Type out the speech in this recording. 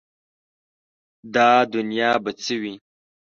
دا دنیا به څه وي ؟